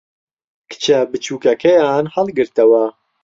کچە بچووکەکەیان ھەڵگرتەوە.